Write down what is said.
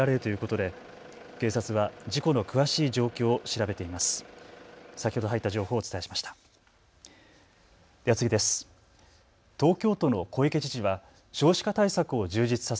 では次です。